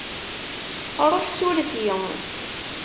Ruḥ s urti.